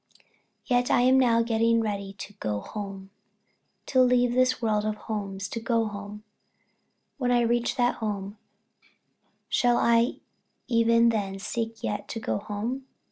Yet I am now getting ready to go home to leave this world of homes and go home. When I reach that home, shall I even then seek yet to go home?